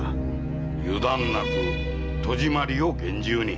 油断なく戸締まりを厳重に。